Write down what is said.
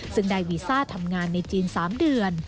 ซึ่งได้วีซ่าทำงานในจีน๓เดือน